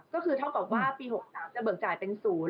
ก็คือเท่ากับว่าปี๖๓จะเบิกจ่ายเป็น๐